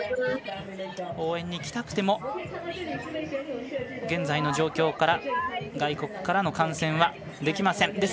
応援に来たくても現在の状況から外国からの観戦はできません。